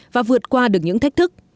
và vượt qua được những thách thức